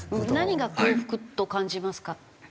何が幸福と感じますか？